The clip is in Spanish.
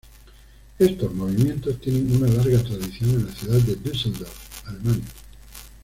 Estos movimientos tienen una larga tradición en la ciudad de Düsseldorf, Alemania.